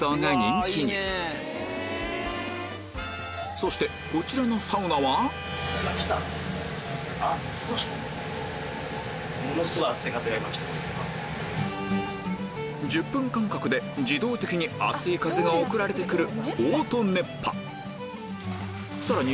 そしてこちらのサウナは１０分間隔で自動的に熱い風が送られてくるオート熱波さらに